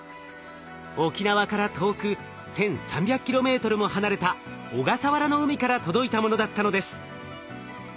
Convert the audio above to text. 沖縄から遠く１，３００ｋｍも離れた小笠原の海から届いたものだったのです。